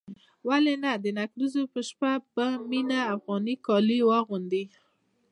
ولې نه د نکريزو په شپه به مينه افغاني کالي اغوندي.